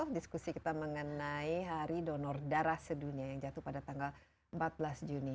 diskusi kita mengenai hari donor darah sedunia yang jatuh pada tanggal empat belas juni